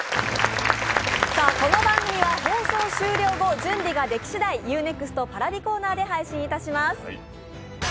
この番組は放送終了後準備ができ次第、Ｕ−ＮＥＸＴＰａｒａｖｉコーナーで配信いたします。